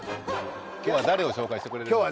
今日は誰を紹介してくれるんですか？